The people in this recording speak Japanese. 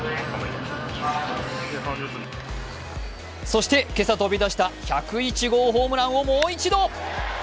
そして、今朝飛び出した１０１号ホームランをもう一度。